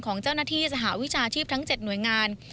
ของเจ้าหน้าที่สหวิชาชีพทั้ง๗หน่วยงาน